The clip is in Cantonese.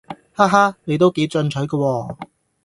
哈哈你都幾進取㗎喎